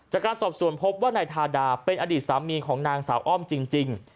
จากการสอบส่วนพบว่านายทาดาเป็นอดีตสามีของนางสาวอ้อมจริง